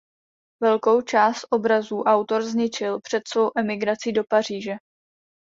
Velkou část obrazů autor zničil před svou emigrací do Paříže.